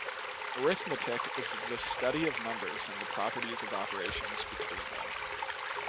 Arithmetic is the study of numbers and the properties of operations between them.